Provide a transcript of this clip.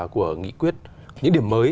của nghị quyết những điểm mới